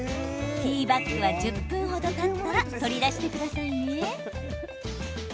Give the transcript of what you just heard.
ティーバッグは１０分程たったら取り出してくださいね。